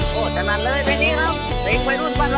โทษจนัดเลยไม่ดีครับลิ้งไว้ร่วมฝันเราเลย